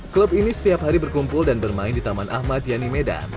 klub ini setiap hari berkumpul dan bermain di taman ahmad yani medan